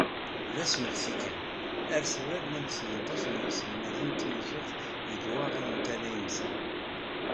D asmekti kan, ar tura llan tmenṭac n yiselmaden n tmaziɣt deg waɣir n Tala Yemsan.